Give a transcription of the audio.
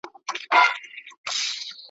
هره ورځ لکه پسونه کبابیږو لاندي باندي ,